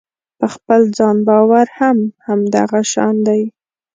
په خپل ځان باور هم همدغه شان دی.